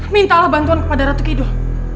mintalah bantuan kepada ratu kidul